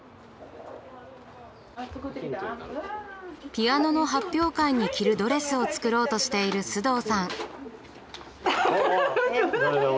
ピアノの発表会に着るドレスを作ろうとしている須藤さん。